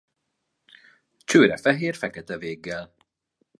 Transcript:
Csőre fehér fekete véggel.